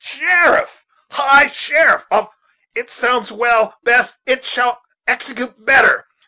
Sheriff! High Sheriff of ! it sounds well, Bess, but it shall execute better.